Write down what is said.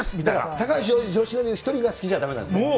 高橋由伸１人が好きじゃだめなんですね。